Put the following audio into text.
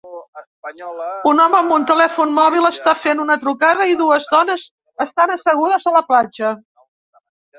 Un home amb un telèfon mòbil està fent una trucada i dues dones estan assegudes a la platja